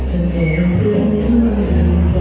ฉันเกลียดสุดในใจของมัน